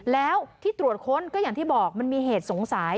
แล้วที่ตรวจค้นก็อย่างที่บอกมันมีเหตุสงสัย